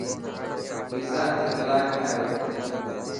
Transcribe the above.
پيزا اڍ ڪلاڪ ۾ آيو.